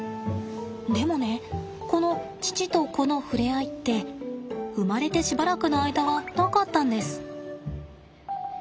でもねこの父と子の触れ合いって生まれてしばらくの間はなかったんです。